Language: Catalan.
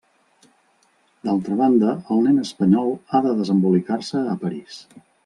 D'altra banda el nen espanyol ha de desembolicar-se a París.